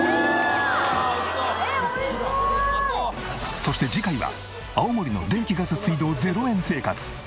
そして次回は青森の電気ガス水道０円生活。